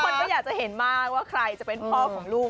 คนก็อยากจะเห็นมากว่าใครจะเป็นพ่อของลูก